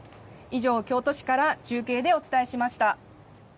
以上、京都市から中継でお伝えしました。